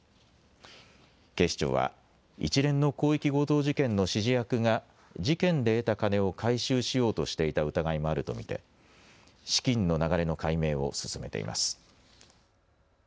警視庁は一連の広域強盗事件の指示役が事件で得た金を回収しようとしていた疑いもあると見て資金の流れの解明を進めています。